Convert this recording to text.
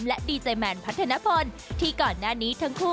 แฮปปี้